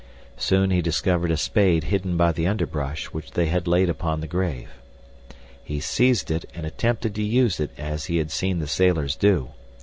Soon he discovered a spade hidden by the underbrush which they had laid upon the grave. He seized it and attempted to use it as he had seen the sailors do.